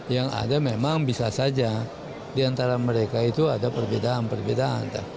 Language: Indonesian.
yang ada memang bisa saja di antara mereka itu ada perbedaan perbedaan